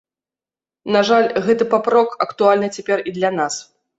На жаль, гэты папрок актуальны цяпер і для нас.